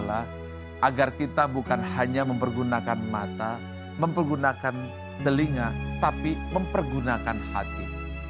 agar kita bukan hanya mempergunakan mata mempergunakan telinga tapi mempergunakan hati